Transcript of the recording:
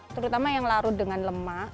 terutama yang larut dengan lemak